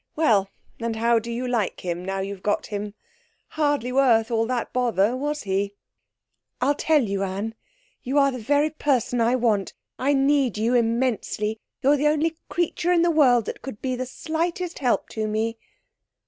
Well, and how do you like him now you've got him? Hardly worth all that bother was he?' 'I'll tell you, Anne. You are the very person I want. I need you immensely. You're the only creature in the world that could be the slightest help to me.'